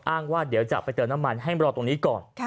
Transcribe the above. ว่าเดี๋ยวจะไปเติมน้ำมันให้รอตรงนี้ก่อน